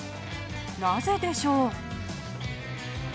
なぜでしょう？